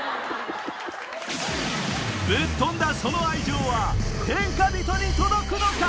ぶっ飛んだその愛情は天下人に届くのか？